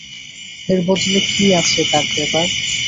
এর বদলে কী আছে তার দেবার?